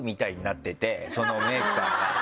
そのメイクさんが。